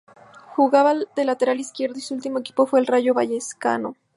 Jugaba de lateral izquierdo y su último equipo fue el Rayo Vallecano.